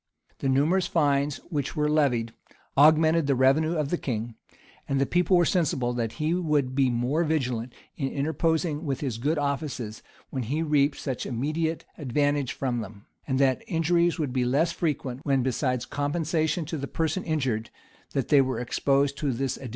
The numerous fines which were levied, augmented the revenue of the king; and the people were sensible that he would be more vigilant in interposing with his good offices, when he reaped such immediate advantage from them; and that injuries would be less frequent, when, besides compensation to the person injured, that they were exposed to this additional penalty.